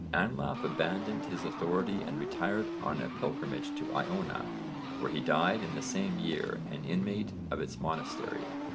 Anlaf abandoned his authority and retired on a pilgrimage to Iona, where he died in the same year an inmate of its monastery.